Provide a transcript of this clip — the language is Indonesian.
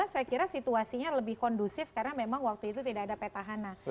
dua ribu empat belas saya kira situasinya lebih kondusif karena memang waktu itu tidak ada peta hana